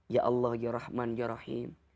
ya allah ya rahman ya rahim